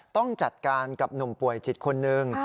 ต้องจัดการกับหนุ่มป่วยจิตคนหนึ่ง